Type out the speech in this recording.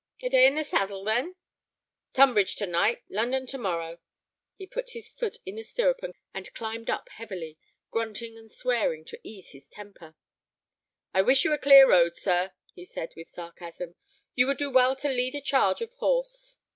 "A day in the saddle, then?" "Tunbridge to night, London to morrow." He put his foot in the stirrup and climbed up heavily, grunting and swearing to ease his temper. "I wish you a clear road, sir," he said, with sarcasm. "You would do well to lead a charge of horse."